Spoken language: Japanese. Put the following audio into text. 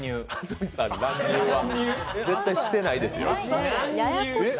絶対してないですよ。